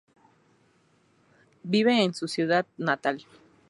Vive en su ciudad natal.